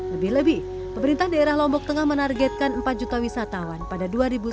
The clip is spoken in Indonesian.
lebih lebih pemerintah daerah lombok tengah menargetkan empat juta wisatawan pada dua ribu sembilan belas